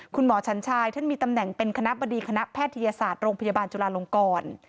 ฉันชายท่านมีตำแหน่งเป็นคณะบดีคณะแพทยศาสตร์โรงพยาบาลจุลาลงกร